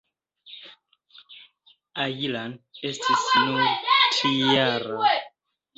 Ajlan estis nur trijara.